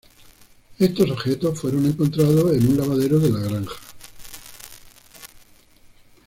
Estos objetos fueron encontrados en un lavadero de la granja.